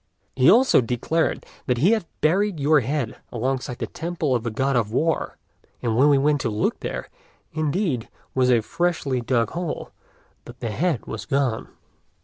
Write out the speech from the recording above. He also declared that he had buried your head alongside the temple of the God of War; and when we went to look, there, indeed, was a freshly dug hole, but the head was gone."